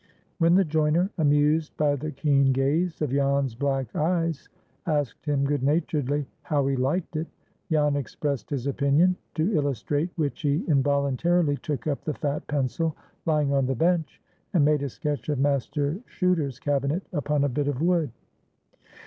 When the joiner, amused by the keen gaze of Jan's black eyes, asked him good naturedly "how he liked it," Jan expressed his opinion, to illustrate which he involuntarily took up the fat pencil lying on the bench, and made a sketch of Master Chuter's cabinet upon a bit of wood.